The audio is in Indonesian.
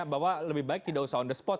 bahwa lebih baik tidak usah on the spot